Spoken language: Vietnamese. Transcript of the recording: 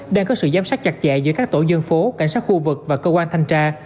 đang có sự giám sát chặt chẽ giữa các tổ dân phố cảnh sát khu vực và cơ quan thanh tra